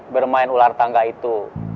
bermain ular tangga itu